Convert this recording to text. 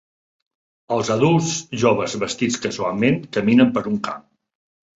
Els adults joves vestits casualment caminen per un camp.